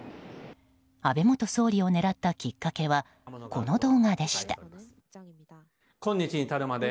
安倍元総理を狙ったきっかけはこの動画でした。